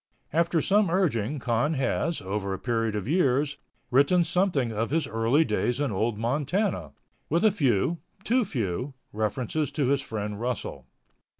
After some urging Con has, over a period of years, written something of his early days in Old Montana, with a few, too few, references to his friend Russell.